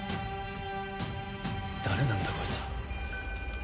誰なんだこいつは。